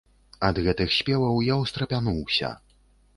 Ад гэтых спеваў я ўстрапянуўся.